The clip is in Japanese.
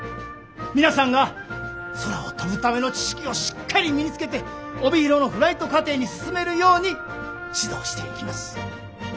皆さんが空を飛ぶための知識をしっかり身につけて帯広のフライト課程に進めるように指導していきます。